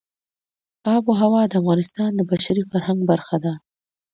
آب وهوا د افغانستان د بشري فرهنګ برخه ده.